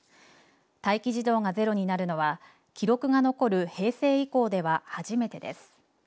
待機児童がゼロになるのは記録が残る平成以降では初めてです。